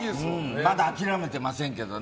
まだ諦めてませんけどね。